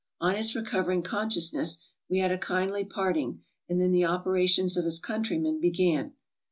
On his recovering consciousness we had a kindly parting, and then the operations of his countrymen began.